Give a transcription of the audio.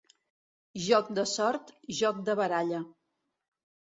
Joc de sort, joc de baralla.